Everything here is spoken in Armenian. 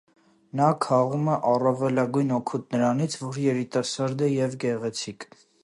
Նա քաղում է առավելագույն օգուտ նրանից, որ երիտասարդ է և գեղեցիկ։